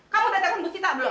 kamu datang ke bustita belum